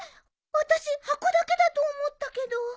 私箱だけだと思ったけど。